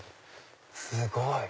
すごい！